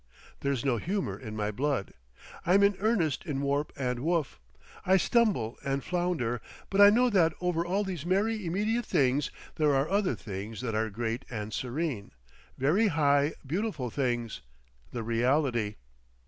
There's no humour in my blood. I'm in earnest in warp and woof. I stumble and flounder, but I know that over all these merry immediate things, there are other things that are great and serene, very high, beautiful things—the reality.